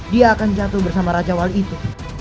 dia akan jatuh bersama raja wali itu